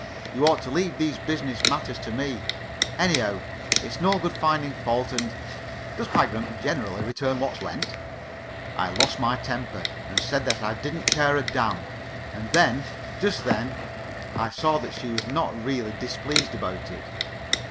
You ought to leave these business matters to me. Anyhow, it's no good finding fault, and " "Does Pagram generally return what's lent?" I lost my temper and said that I didn't care a damn! And then just then I saw that she was not really displeased about it.